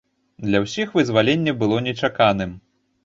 Для ўсіх вызваленне было нечаканым.